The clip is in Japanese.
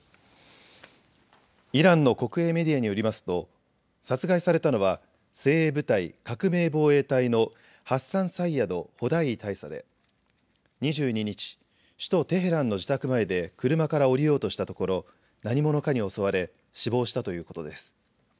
イランの国営メディアによりますと殺害されたのは精鋭部隊・革命防衛隊のハッサンサイヤド・ホダイー大佐で２２日、首都テヘランの自宅前で車から降りようとしたところ何者かに襲われ死亡したということです。